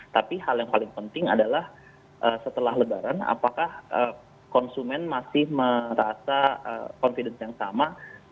tapi hal yang paling penting adalah setelah lebaran apakah konsumen masih merasa confidence yang sama